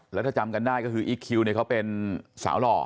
แล้วถ้าจำกันได้ก็คืออีกีวเธอเป็นสาวหล่อ